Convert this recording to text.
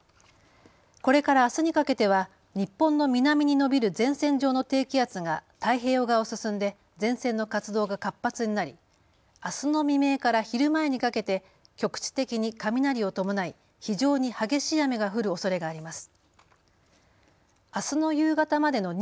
これからあすにかけては日本の南に延びる前線上の低気圧が太平洋側を進んで前線の活動が活発になり、あすの未明から昼前にかけて局地的に雷を伴い非常に激しい雨が降るおそれがあります。